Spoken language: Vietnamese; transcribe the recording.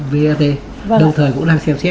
vat đồng thời cũng đang xem xét